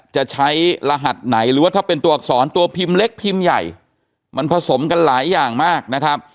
จะใช้รหัสไหนหรือว่าถ้าเป็นตัวอักษรตัวพิมพ์เล็กพิมพ์ใหญ่มันผสมกันหลายอย่างมากนะครับ